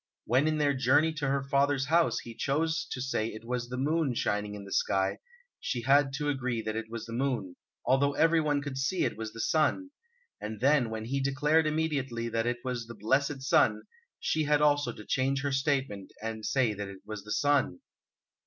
When in their journey to her father's house he chose to say it was the moon shining in the sky, she had to agree that it was the moon, although everyone could see it was the sun; and then, when he declared immediately that it was the blessed sun, she had also to change her statement and say it was the sun.